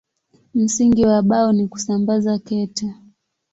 Msingi wa Bao ni kusambaza kete.